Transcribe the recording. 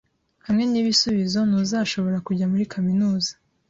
Hamwe nibisubizo, ntuzashobora kujya muri kaminuza.